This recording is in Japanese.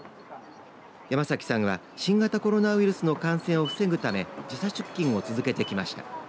山崎さんは新型コロナウイルスの感染を防ぐため時差出勤を続けてきました。